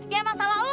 ya masalah lo